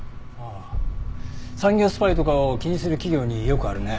ああ産業スパイとかを気にする企業によくあるね。